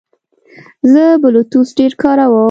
زه بلوتوث ډېر کاروم.